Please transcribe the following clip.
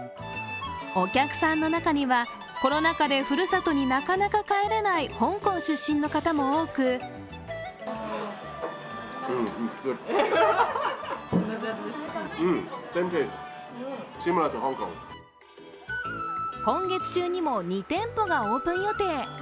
お客さんの中には、コロナ禍でふるさとになかなか帰れない香港出身の方も多く今月中にも２店舗がオープン予定